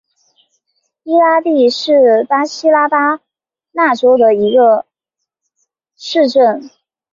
伊拉蒂是巴西巴拉那州的一个市镇。